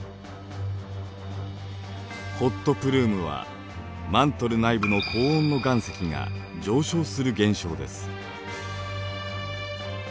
ホットプルームはマントル内部の高温の岩石が上昇する現象です。